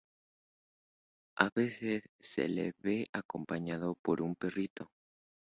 A veces se le ve acompañado por un perrito.